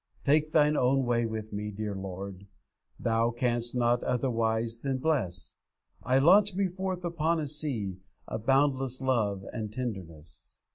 'Take Thine own way with me, dear Lord, Thou canst not otherwise than bless; I launch me forth upon a sea Of boundless love and tenderness.